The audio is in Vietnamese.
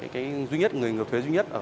cái duy nhất người đầu thuế duy nhất